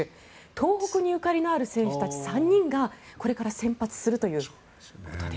東北にゆかりのある選手たち３人がこれから先発するということです。